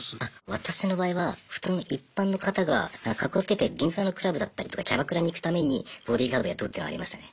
私の場合は普通の一般の方がカッコつけて銀座のクラブだったりとかキャバクラに行くためにボディーガード雇うっていうのありましたね。